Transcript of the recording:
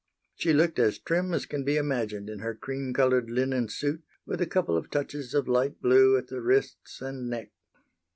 She looked as trim as can be imagined in her cream colored linen suit, with a couple of touches of light blue at the wrists and neck.